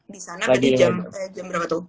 di sana kan di jam berapa tuh